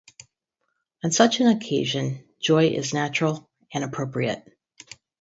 On such an occasion, joy is natural and appropriate.